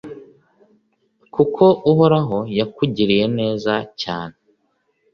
kuko Uhoraho yakugiriye neza cyane